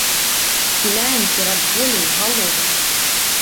Схіляем перад воляю галовы.